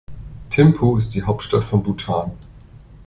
Thimphu ist die Hauptstadt von Bhutan.